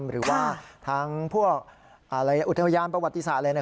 หรือว่าทางพวกอุทยานประวัติศาสตร์อะไร